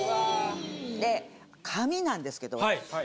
で髪なんですけど。